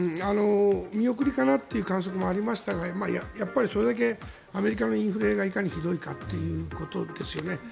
見送りかなという観測もありましたがやっぱりそれだけアメリカのインフレがいかにひどいかということですよね。